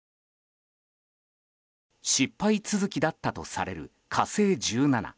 失敗続きだったとされる「火星１７」。